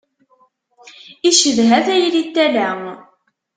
Icedha tayri n tala.